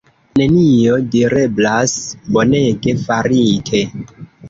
Nenio direblas, bonege farite!